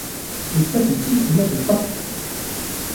Les statistiques ne mentent pas !